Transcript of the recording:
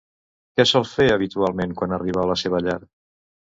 Què sol fer habitualment quan arriba a la seva llar?